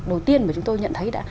đầu tiên mà chúng tôi nhận thấy